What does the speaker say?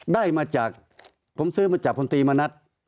ได้มาจากผมซื้อมาจากพลตรีมณัฐ